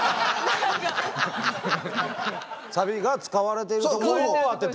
サビが使われてるところを当てて。